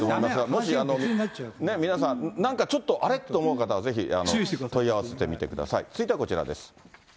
もし皆さん、なんかちょっとあれって思う方は、ぜひ問い合わせてみてください。